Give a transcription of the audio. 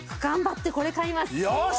よし。